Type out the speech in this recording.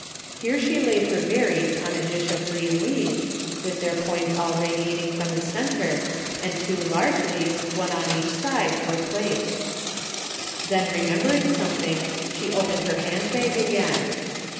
Here she laid her berries on a dish of green leaves, with their points all radiating from the centre and two large leaves, one on each side, for plates. Then remembering something, she opened her hand bag again.